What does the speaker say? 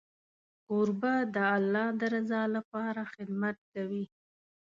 کوربه د الله د رضا لپاره خدمت کوي.